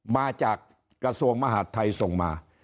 มาจากกระทรวงมหาดไทยส่งมา